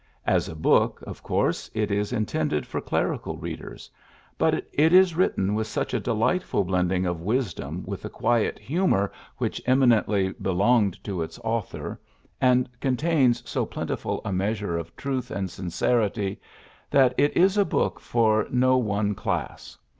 As a book, of course it is intended for clerical readers j but it is written with such a delightful blending of wisdom with the quiet humor which PHILLIPS BKOOKS 49 emiueutly belonged to its author, aud contains so plentiful a measure of truth and sincerity, that it is a book for no one class.